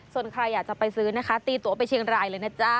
ส่วนใครอยากจะไปซื้อนะคะตีตัวไปเชียงรายเลยนะจ๊ะ